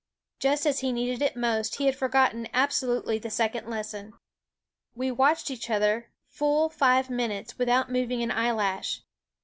Just as he needed it most, he had forgotten absolutely the second lesson. We watched each other full five minutes without moving an eyelash.